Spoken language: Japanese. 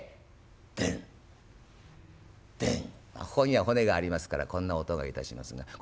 ここには骨がありますからこんな音がいたしますが。